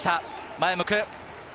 前を向く。